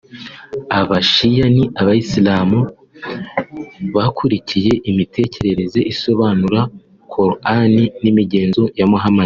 Aba shia ni abayisilamu bakurikiye imitekerereze isobanura coran n’imigenzo ya Muhamadi